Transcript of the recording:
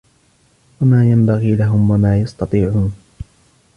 وَمَا يَنْبَغِي لَهُمْ وَمَا يَسْتَطِيعُونَ